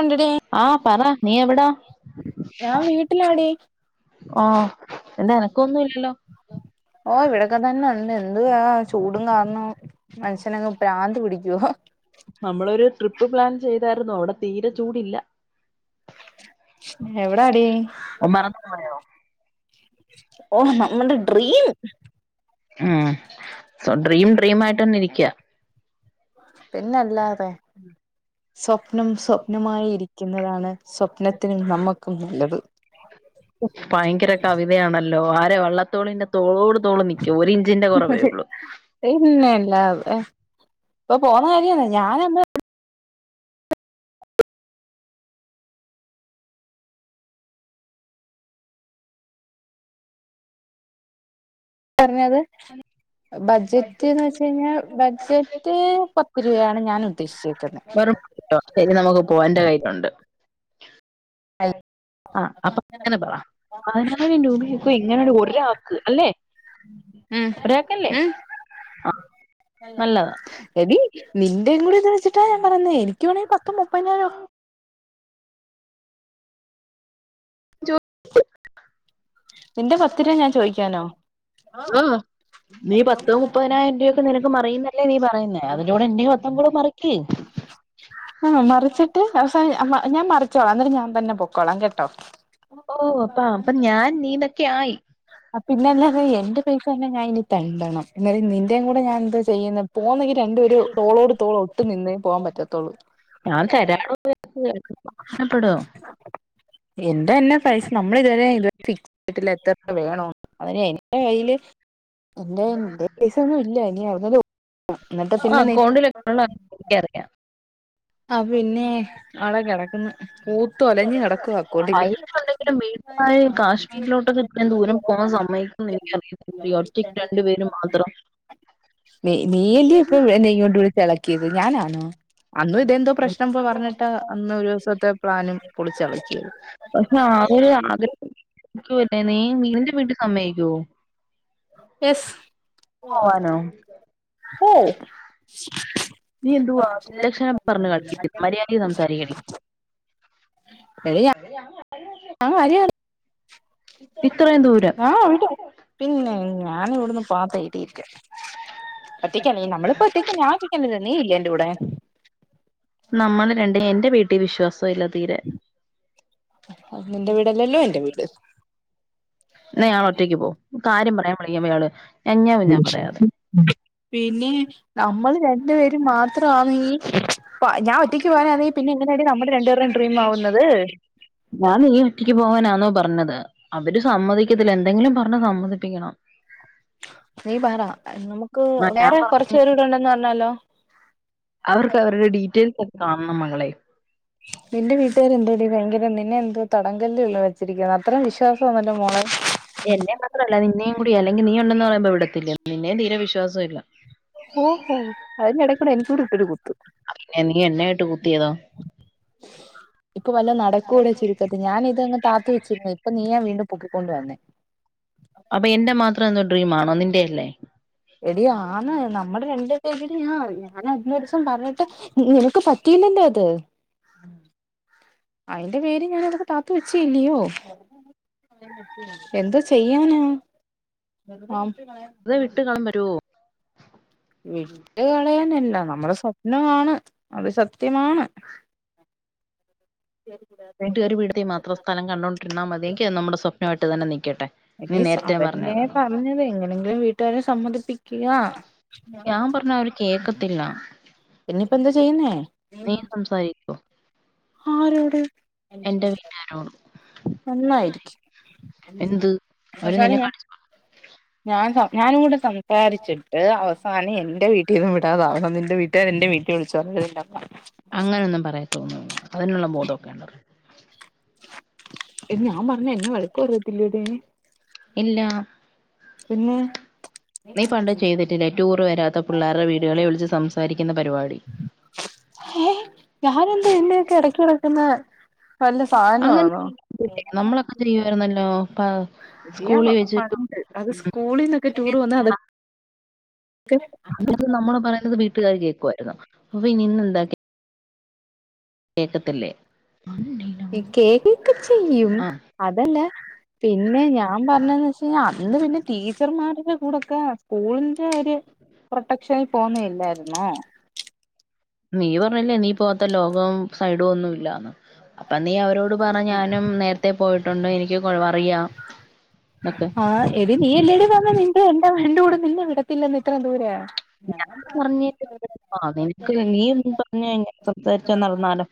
ണ്ടടി ആ പറ നീ എവിടാ ഞാൻ വീട്ടിലാടി ഓ നിന്റെ അനക്കൊന്നുഇല്ലല്ലോ ഓ ഇവിടൊക്കെ തന്നെ ഉണ്ട് എന്തുവാ ചൂടും കാരണം മനുഷ്യനങ്ങ് പ്രാന്ത് പിടിക്കുവോ നമ്മളൊരു ട്രിപ്പ് പ്ലാൻ ചെയ്തായിരുന്നു അവിടെ തീരെ ചൂടില്ല എവിടാടി ഓ മറന്നു പോയോ ഓ നമ്മുടെ ഡ്രീം ആഹ സൊ ഡ്രീം ഡ്രീം ആയിട്ട് തന്നെ ഇരിക്യ പിന്നല്ലാതെ സ്വപ്നം സ്വപ്നമായിരി- എന്നതാണ് സ്വപ്നത്തിനും നമ്മുക്കും നല്ലത് ഭയങ്കര കവിതയാണല്ലോ ആരെ വള്ളത്തോളിന്റെ തോളോട് തോള് നിക്കും ഒരു ഇഞ്ചിന്റെ കുറവേ ഉള്ളൂ പിന്നല്ലാതെ ഇപ്പൊ പോന്നെ കാര്യാന്ന് ഞാനന്ന് പറഞ്ഞത് ബഡ്ജറ്റ്ന്ന് വെച്ച് കഴിഞ്ഞാൽ ബഡ്ജറ്റ് പത്ത് രൂപയാണ് ഞാൻ ഉദ്ദേശിച്ചേക്കുന്നത് വെറും ശരി നമുക്ക് പോവാ എന്റെ കയ്യിലുണ്ട് മ് ആ അപ്പൊ അങ്ങനെ പറ പതിനായിരം രൂപയൊക്കെ എങ്ങനെയാണ് ഒരാൾക്ക് അല്ലെ ഒരാൾക്കല്ലേ മ് നല്ലതാ എടി നിന്റെയും കൂടി ഇത് വെച്ചിട്ടാ ഞാൻ പറയുന്നെ എനിക്ക് വേണെങ്കിൽ പത്ത് മുപ്പതിനായിരം- നിന്റെ പത്ത് രൂപ ഞാൻ ചോദിക്കാനോ ആ നീ പത്തോ മുപ്പതിനായിരം രൂപായൊക്കെ നിനക്ക് മറിയുന്ന അല്ലെ നീ പറയുന്നേ അതിലൂടെ എന്റെ പത്തുകൂടെ മറിയ്ക്ക്‌ ആഹ് മറിച്ചിട്ട് അവസാനം [unintelligible] ഞാൻ മറിച്ചോളാം എന്നിട്ട് ഞാൻ തന്നെ പൊക്കോളാം കെട്ടോ ഓ അപ്പാ അപ്പൊ ഞാൻ നീനൊക്കെ ആയി പിന്നല്ലാതെ എന്റെ പൈസ ഇനി ഞാനിനി തെണ്ടണം എന്നാലെ നിന്റെയും കൂടെ ഞാൻ എന്ത് ചെയ്യുന്നെ പോന്നെങ്കി രണ്ടുപേര് തോളോട് തോൾ ഒത്ത് നിന്നേ പോവാൻ പ ഞാൻ കരാറു [unintelligible] പെടോ എന്റെന്ന പൈസ നമ്മള് ഇതുവരേം ഇതു വീട്ടല് എത്ര പ വേണം അതിൻ എ ന്റെ കയ്യില് എന്റെൽ പൈസ ഒന്നും ഇല്ല ഇനി അവർ [unintelligible] ആഹ് അക്കൗണ്ടില ഒള്ളെ ഏതെക്കെണ് അപിന്നെ അവടെ കെടക്ക്ന്നു പൂത്ത് ഒലഞ്ഞ് കെടക്കുവാ അക്കൗണ്ടില് പൈസ ഉണ്ടെങ്കിലും വീട്ടിലായ കാശ്മീരിലോട്ടൊക്കെ ഇത്രയും ദൂരം പോകാൻ സമ്മതിക്കുന്ന് എനിക്കറിയത്തില്ല ഒറ്റയ്ക്ക് രണ്ടു പേര് മാത്രം നീ നീ അല്ല്യോ ഇപ്പം എന്നെ ഇങ്ങോട്ട് വിളിച്ച് എളക്കിയത് ഞാൻ ആണോ ഇതെന്തോ ട്ടമ്പോ പറഞ്ഞിട്ടാ അന്ന് ഒരൂസത്തെ പ്ലാനും പൊളിച്ചൾക്കിയത് പക്ഷെ ആ ഒരു ആഗ്രഹം സമ്മയ്ക്കോ യെസ് ഹോ നീ എന്തുവാ ഉപദേശം പറഞ്ഞ് കളി ക്കുന്നോ മര്യാദിക്ക് സംസാരിക്കെഡി എടി ഞാൻ മര്യാദ് ഇത്രയും ദൂരോ, ഞാൻ ഓടിക്കാ, പിന്നെ ഞാൻ ഇവടന്ന് പോവാൻ തേടി ഇരിക്കാ, ഒറ്റക്ക് അല്ലെ, നമ്മള് ഇപ്പൊ ഒറ്റക്ക് ഞാൻ ഒറ്റയ്ക്കല്ലല്ലോ, നീ ഇല്ലേ എന്റെ കൂടെ. ട്ടി വിശ്വാസ നിന്റെ വീടല്ലല്ലോ എന്റെ വീട് എന്നാ ഇയാൾ ഇയാള് ഒറ്റക്ക് ഒറ്റയ്ക്ക് പോ കാര്യം പറയാൻ വിളിക്കുമ്പോ പോ ഇയാള് ഞാൻ ഞാൻ പറയാതെ [unintelligible] പിന്നെ നമ്മള് രണ്ട് പേ മാത്രം ആ വീ രണ്ടുപേരുടെയും ഡ്രീം ആവുന്നത് ഞാൻ നീ ഒറ്റക്ക് പോവാനാന്നോ പറഞ്ഞ ത് അവര് സമ്മതിക്കത്തില്ല എന്തെങ്കിലും പ [unintelligible] സമ്മതിപ്പിക്കണം നീ പറ നമുക്ക് ആ ഞാൻ വേറെ പറഞ്ഞു കൊറച്ചു പേരും കൂടെ ഉണ്ടന്ന് പറഞ്ഞാലോ അവർക്ക് അവരുടെ ഡീറ്റെയിൽസ് കാണണം മകളെ നിന്റെ വീട്ടുകാര് എന്താടി വയങ്കര നി നിന്നെ എന്തോ തടങ്കൽ ഇള്ള എന്നെ മാത്രല്ല നിന്നേം കൂടിയാ അല്ലെങ്കിൽ നീ ഒ ണ്ടന്ന് പറയുമ്പോ ഇവിടെത്തില്ലേ നിന്നേം തീരെ വിശ്വാസം ഇല്ല ഓഹോ അതിന്റെടേകൂടെ എനിക്കൂടി ഇട്ടൊരു കുത്ത് പിന്നെ നീ എന്നെ ആയിട്ട് കുത്തിയതോ ഇപ്പൊ വല്ലോം നടക്കോടെ ചുരുക്കത്ത് ഞാനിതങ്ങ് താത്തി വെച്ചിരുന്ന് അപ്പൊ നീയാ വീണ്ടും പൊക്കിക്കൊണ്ട് വന്നേ അപ്പൊ എന്റെ മാത്രം എന്തോ ഡ്രീമാണോ നിന്റെയല്ലേ എടി ആണ് നമ്മുടെ രണ്ട് പേര്ടെയാ ഞാനന്നൊരു ദിവസം പറഞ്ഞിട്ട് നിനക്ക് പറ്റീല്ലല്ലോ അത് അയിന്റെ പേര് ഞാൻ ഇതൊക്കെ പാത്ത് വെച്ചീല്ലിയോ എന്തോ ചെയ്യാനാ [unintelligible] തെ വിട്ട് കളൻ വരോ വിട്ടുകളയാനല്ല നമ്മുടെ സ്വപ്നമാണ് അത്. സത്യമാണ് വീട്ടുകാർ [unintelligible] മാത്രം സ്ഥലം കണ്ടോണ്ടിരുന്നാൽ മതിയെങ്കിൽ അത് നമ്മുടെ. നാട്ടിൽ തന്നെ നി എഗൈൻസ് അതല്ലേ പറഞ്ഞത് [unintelligible] വീട്. വീട്ടുകാരെ സമ്മതി ക്കുക ഞാൻ പറഞ്ഞ അവര് കേക്കത്തില്ല [inaudible] പിന്നെ ഇപ്പൊ എന്താ ചെയ്യുന്നേ. നീ സംസാരിക്കോ. ആരോട് എന്റെ വീട്ടുകാരോട്. നന്നായിരിക്കും എന്ത് ഔ അവര് സാനം നിന്നെ ഞാൻ കടി ഞാനാ വിചാരിച്ചിട്ട് അവസാനം എന്റെ വീട്ടി നിന്റെ വീട്ട് കാര് എ ന്റെ വീട്ടിൽ വിളിച്ചു പറഞ്ഞത് [unintelligible] അങ്ങനൊന്നും പറയത്തൊന്നും ള്ള അതിനുള്ള ബോധം [unintelligible] ഞാൻ പറഞ്ഞ എന്നെ പറയത്തില്ല ടീ ഇല്ല പിന്നെ നീ പണ്ട് ചെയ്തിട്ടില്ലേ ടൂർ വരാ ത്തെ പിള്ളേരുടെ വീടുകളെ വിളിച്ച് സംസാരിക്കും ഏ ഞാന എന്താ ഇന്റെയൊക്കെ ഇടക്കുള്ള [unintelligible] അങ്ങനെ നമ്മളൊക്കെ ചെയ്യുമായിരുന്നല്ലോ പ ഇയാ സ്കൂളിൽ വെച്ച് പണ്ട് അത് സ്കൂളിന്നൊക്കെ ടൂറ് വന്നാ അത അത് നമ്മള് പറയുന്നത് വീട്ടുകാർ കേൾക്കുമായിരുന്നു അപ്പൊ ഇനിയിന്ന് എന്താക്കി കേക്കത്തില്ലേ ഈ കേക്ക് ഒക്കെ ചെയ്യും ആഹ് അതല്ല പിന്നെ ഞ ഞാൻ പറഞ്ഞതെന്ന് വെച്ച് കഴിഞ്ഞാ അന്ന് പിന്നെ തീ ടീച്ചർമാരുടെ കൂടൊക്കെ സ്കൂളിന്റെ ഒര് പ്രൊട്ടക്ഷനിൽ പോകുന്നയല്ലായിരുന്നോ നീ പറഞ്ഞില്ലേ നീ പോവാത്ത അപ്പം നീ അവരോട് പറ ഞാനും നേരത്തെ പോയിട്ടുണ്ട് എനിക്ക് കൊ അറിയാം എന്നൊക്കെ ആ എടി നീയല്ലേടി പറഞ്ഞെ നിന്റെ എന്റെ കൂടെ നിന്നെ വിടത്തില്ലെന്ന് ഇത്രയും ദൂരെ ഞാൻ പറഞ്ഞിട്ട് നിനക്ക് നീനക്ക [unintelligible] ഇങ്ങനെ സംസാരിച്ചാ നടന്നാലോ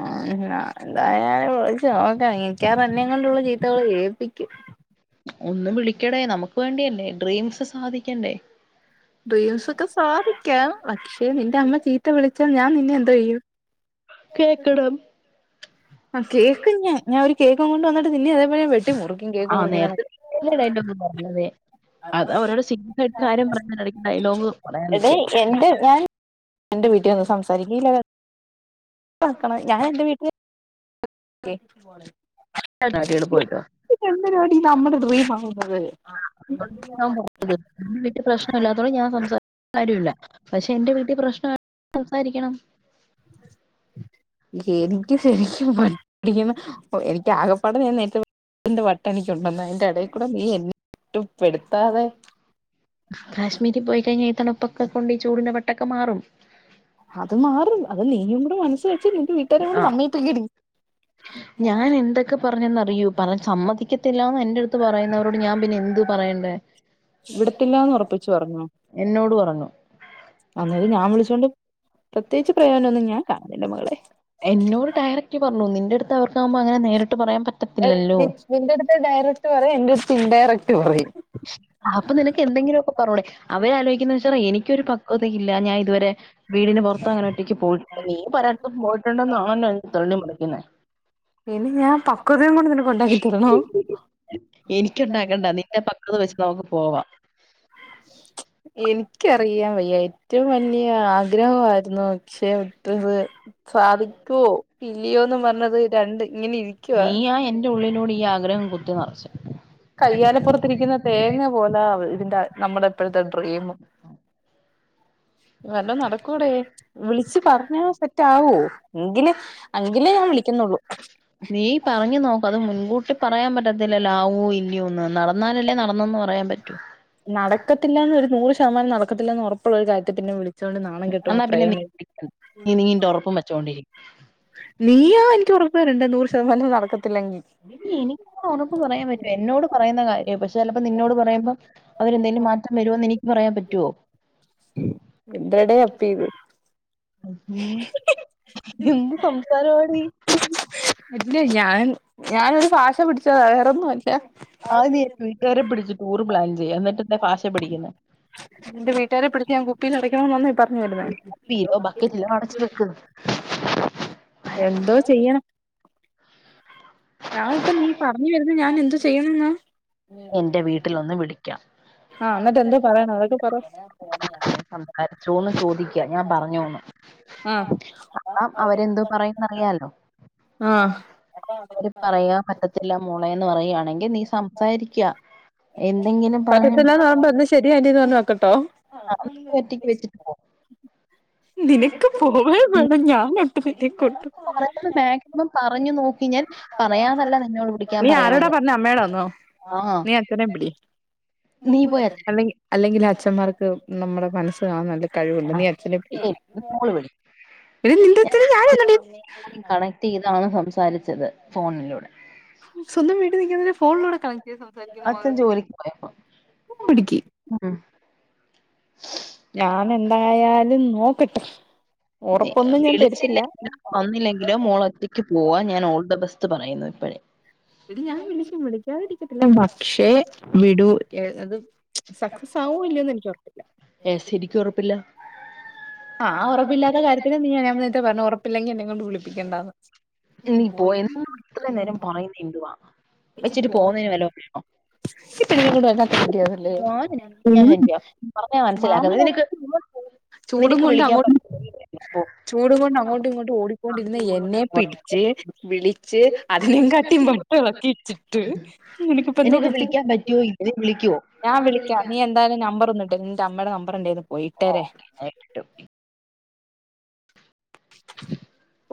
ആ ഞാൻ എന്തായാലും വിളിച്ചു നോക്കാം മിക്കവാറും എന്നേം കൊണ്ട് ഇവള് ചീത്ത വിളി കേൾപ്പിക്കും ഒന്ന് വിളിക്കടേ നമുക്ക് വേണ്ടിയല്ലേ ഡ്രീംസ് സാധിക്കണ്ടേ ഡ്രീംസൊക്കെ സാധിക്കാം പക്ഷെ നിന്റെ അമ്മ ചീത്ത വിളി ച്ചാൽ ഞാൻ നിന്നെ എന്തോ ചെയ്യും കേക്കണം ആ കേക്കും ഞാൻ ഞാൻ ഒരു കേക്കും കൊണ്ട് വന്നിട്ട് നിന്നെ അതേപോലെ വെട്ടി മുറിക്കും കേക്ക് ആ മുറിക്കണ നേരത്തെ കണക്ക് നീയല്ലേ ഡയലോഗ് പറഞ്ഞത് അത് അവരോട് സീരിയസ് ആയിട്ട് കാര്യം പറഞ്ഞ ഇടയ്ക്ക് ഡയലോഗ് പറയാൻ എടി നിൽക്കുക എന്റെ ഞാൻ എന്റെ വീട്ടിൽവന്ന് സംസാരിക്കുവോ ഇല്ലല്ലോ ക്കണം ഞാൻ എന്റെ വീട്ടില് പോയിട്ടോ എന്തരാടി നമ്മടെ ദൂയമാവ [unintelligible] അവരേ അൻത്ട്ട [unintelligible] പ്രശ്നം ഇല്ലാത്തോണ്ട് ഞാൻ സംസാരിക്കണ്ട കാര്യമില്ല പക്ഷെ എന്റെ വീട്ടിൽ പ്രശ്നമാണ് സംസാരിക്കണം എനിക്ക് ശരിക്കും വ പഠ [unintelligible] എനിക്ക് ആകെപ്പാടെ ഞാൻ നേരിട്ട് [unintelligible] എനിക്ക് ഉണ്ടെന്ന് അതിന്റെ ഇടേ കൂടെ നീ ഒറ്റപ്പെടുത്താതെ പെടുത്താതെ കാശ്മീരി പോയി കഴിഞ്ഞ എ തണുപ്പൊക്കെ കൊണ്ട് ഈ ചൂടിന്റെ വട്ടൊക്കെ മാറും അത് മാറും അത് നീയും കൂടെ മനസ്സ് വെ ആഹ് ഞാൻ എന്തൊക്കെ പറഞ്ഞൂന്നറിയുവോ പറൻ സമ്മതിക്കത്തില്ല ആ എന്റടുത്തു പറയുന്നവരോട് ഞാൻ പിന്നെ എന്തു പറയണ്ടേ വിടത്തില്ലന്ന് ഉറപ്പിച്ചച്ച് പറഞ്ഞോ എന്നോട് പറഞ്ഞു അന്നത് ഞാൻ വിളിച്ചോണ്ട് പ്രത്യേകിച്ച് പ്രയാന ഒന്ന ഞാൻ കണ്ന്നിൽ മകളെ എന്നോട് ഡയറക്റ്റ് പറഞ്ഞു നിന്റെറ അടു അവക്കാവുമ്പോ അങ്ങന നേരി നിന്റെടുത്ത് ഡയറക്ട് പറയാ എന്റെ ഇന് ഡയറക്ട് പറയും അപ്പൊ നിനക്ക് എന്തെങ്കിലും ഒക്കെ പറഞ്ഞൂടെേ അവര ആലോചിക്കുന്ന വെച്ചാ എനിക്കൊരു പക്വത ഇല്ല ഞാൻ ഇതുവരെ വീടിന് പുറത്ത അങ്ങനെോട്ടേക്ക് പോയിട്ട നീ പലത്തും പോയിട്ടുണ്ടന്നാണല്ലോ തെളഞ്ഞ വിളിക്കുന്ന [unintelligible] ന്ന കൊണ്ടാക്കിത്തരനോ ത് വെച്ച് നമുക്ക് പോവാാം എനിക്കറിയാം വയ്യ ഏറ്റവും വലിയ ആഗ്രഹമായിരുന്നു പക്ഷെ [inaudible] സാധിക്കുവോ ഇല്ലയോന്ന് പറഞ്ഞത് രണ്ട് ഇങ്ങനെ ഇരിക്കുവ നീയാ എന്റെ ഉള്ളിലൂടെ ഈ ആഗ്രഹം കുത്തി നിറച്ച് കയ്യാലപ്പുറത്തിരിക്കുന്ന തേങ്ങ പോലെ ഇതിന്റെ നമ്മുടെ ഇപ്പോഴത്തെ ഡ്രീം വല്ലോ നടക്കൂടെേ വിളിച്ച് പറഞ്ഞാ സെറ്റ ആവോ എങ്കിലേ അങ്കിലേ ഞാൻ വിളിക്കുന്നുള്ളു നീ വോ ഇല്ലയോന്ന് നടന്നാലല്ലേ നടന്നന്ന് പറയാൻ പറ്റും നടക്കത്തില്ലന്ന് ഒരു നൂറ് ശതമാനം നട നടകത്തില്ലെന്ന് ഉറപ്പ ഇപ്പോള ഒരു കാര്യത്തി പിന്നെ വിളിച്ചോണ്ട് നാണം കെട്ടണ്ട് എന്നാ പിന്നെ പ്രേമ നീ നീ നീ ഉറപ്പും വെച്ചോണ്ടിരിക്കും നീ ആ എനിക്ക് ഉറപ്പ തരണ്ട നൂറ് സേമനം നടക്കത്തില്ലെങ്കിൽ എനിക്ക് ഉറപ്പ് പറയാൻ പറ്റുമോ എന്നോട് പറയുന്ന കാര്യ പക്ഷെ ചിലപ്പോ നിന്നോട് പറയുമ്പം അവരെന്തെങ്കിലും മാറ്റം വരുമോന്ന് എനി പറയാൻ പറ്റുവോ എന്ട അപ്പ ഇത് എന്ത് സംസാരവാടി ഞാനൊ ഒരു ഭാഷ പഠി ച്ചതവേറെൊന്നുംല്ല ആദ്യം ഞാൻ വീട്ടുകാരെ പിടിച്ച് ടൂർ പ്ലാൻ ചെയ്യാം എന്നിട്ട് എന്റെ ഭാഷ പഠിക്കുന്നത് [unintelligible] എന്റെ വീട്ടുകാരെ പിടിച്ച് ഞാൻ കുപ്പിൽട എ വ പറഞ്ഞരുന്ന എല്ല അടച്ച് [inaudible] എന്തോ ചെയ്യണം എന്ത് ചെയ്യുംന്നാ എന്റെ വീട്ടില് വന്ന് വിളി ക്യാ ആ എന്നിട്ട് എന്തോ പറയാനാ അതൊക്കെ പറ സംസാരിച്ചോന്ന് ചോദിക്ക ഞാൻ പറഞ്ഞോന്ന് ആ മ് ആ അവരെന്തോ പറയന്നറിയാലോ ആ അവര് പറയാൻ പറ്റത്തില്ല മോളെഎന്ന് പറയാണെങ്കിൽ നീ സംസാരിക്കഎന്തെങ്കിലും പറഞ്ഞു ന്ന നോക്കട്ടാ വെച്ചിട്ട് നിനക്ക് പോവാൻ വേണം ഞാൻ ഒറ്റക്ക് ഇ കൊട്ടു ഇപ്പം പറഞ്ഞു നോക്കി ഞാൻ പറയാതല്ല നിന്നോട് വിളിക്കാൻ നീ ആരോടാ പറയുന്നത് പറഞ്ഞെ അമ്മയോടാന്നോ ആ നീ പോയി അച്ഛനെ അല്ലെങ്കിൽ അല്ലെങ്കിൽ അച്ഛന്മാർക്ക് നമ്മുടെ മനസ്സ് കാണർത് കഴിവുണ്ട് ആ നീ അച്ഛനെ പിടിക്ക് ശരി മോള് [unintelligible] വിളി എടി നിന്റെ അച്ഛനെ ഞാൻ എന്തെടി ഇതാണ് സംസാരിച്ചത് ഫോണിലൂടെ സ്വന്തം വീട്ടിൽ നിക്കുന്നത് ഫോണെടുക്കാനോ അച്ഛൻ ജോലിക്ക് പോയപ്പോ [unintelligible] ഉം. ഞാൻ എന്തായാലും നോ ക്കും നീ വിളിച്ചില്ലെങ്കിലോ വന്നില്ലെങ്കിലോ മോൾ ഒറ്റയ്ക്ക് പോവാ ഞാൻ ഓൾ ദി ബെസ്റ്റ്. സ്റ്റ് പറയുന്നു ഇപ്പഴേ. എടി ഞാൻ വിളിക്കും വിളിക്കാതെ ഇരിക്കതില്ല, പക്ഷെ വിടു ഏഹ് അത്. സക്സസ് സക്സസ്സ് ആവോ ഇല്ലയോന്ന് എനിക്ക് ഉറപ്പില്ല ഏഹ് ശരിക്കും ഉറപ്പില്ല. ആഹ് ഉറപ്പില്ലാത്ത കാര്യത്തിന് നീ ഞാൻ നേത്തെ പറഞ്ഞു ഉറപ്പില്ലെങ്കിൽ എന്നെ കൊണ്ട് വിളിപ്പിക്കേണ്ടാന്ന് നീ പോയി എന്നോട് ഇത്രയും നേരം പറയുന്നത് എന്തുവാ വെച്ചിട്ട് പോകുന്നതിന് വല്ല വേണോ ഞാൻ ഞാൻ ശരിയാ പറഞ്ഞാ മനസ്സിലാക്കുന്നത് നിനക്ക് [unintelligible] [unintelligible] ചൂടും നിനക്ക് കൊണ്ട് വിളിക്കാൻ അങ്ങോട്ടും പറ്റില്ല ചൂടും കൊണ്ട് അങ്ങോട്ടും ഇങ്ങോട്ടും ഓടിക്കൊണ്ടിരുന്ന എന്നെ പിടിച്ച് വിളിച്ച് അതിനെ കാട്ടി വട്ടാക്കിച്ചിട്ട് നിനക്കിപ്പ എന്തോ നിനക്ക് കിട്ടി. വിളിക്കാൻ പറ്റുവോ ഇവര് വിളിക്കുവോ ഞാൻ വിളിക്ക നീ എന്തായാലും നമ്പർ ഒന്നിട് നിന്റെ അമ്മയുടെ ന വടെണ്ടേയ്ന് [unintelligible] ട്ടൊക്കെ ഓ